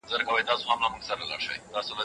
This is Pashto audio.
ځنګلونه او ملي پارکونه ساتل کیدل.